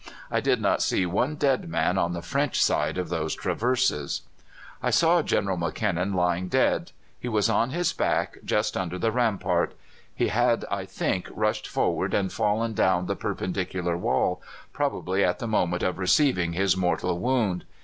I did not see one dead man on the French side of those traverses. "I saw General McKinnon lying dead. He was on his back just under the rampart. He had, I think, rushed forward and fallen down the perpendicular wall, probably at the moment of receiving his mortal wound.